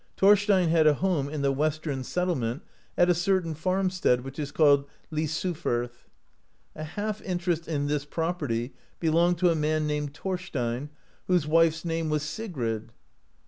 Thorstein had a home in the Western settle ment at a certain farmstead, which is called Lysufirth. A half interest in this property belonged to a man named Thorstein, whose wife's name was Sigrid.